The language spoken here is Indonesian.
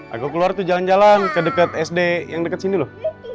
aku keluar tuh jalan jalan ke dekat sd yang dekat sini loh